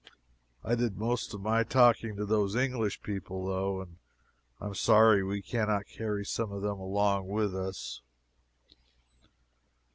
I did most of my talking to those English people though, and I am sorry we can not carry some of them along with us.